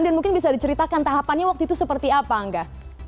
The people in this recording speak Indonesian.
dan mungkin bisa diceritakan tahapannya waktu itu seperti apa angga